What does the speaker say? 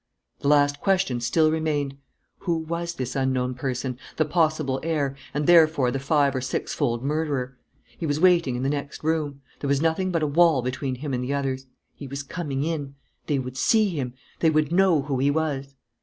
The last question still remained: who was this unknown person, the possible heir, and therefore the five or six fold murderer? He was waiting in the next room. There was nothing but a wall between him and the others. He was coming in. They would see him. They would know who he was.